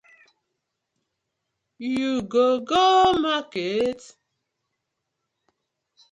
You go go market?